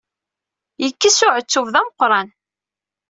Yekkes uɛettub d ameqqran.